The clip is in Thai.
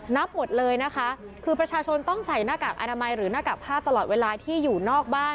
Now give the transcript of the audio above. นับหมดเลยนะคะคือประชาชนต้องใส่หน้ากากอนามัยหรือหน้ากากผ้าตลอดเวลาที่อยู่นอกบ้าน